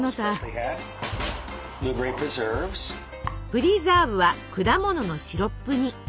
プリザーブは果物のシロップ煮。